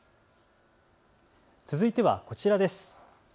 続いてはこちらです。